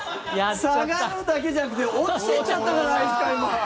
下がるだけじゃなくて落ちていっちゃったじゃないですか、今。